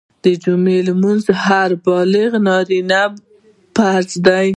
د جمعي لمونځ په هر بالغ نارينه فرض دی